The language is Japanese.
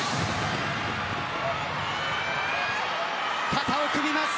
肩を組みます